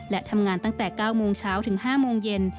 และทำงานตั้งแต่๙โมงเช้าถึง๕โมงเย็น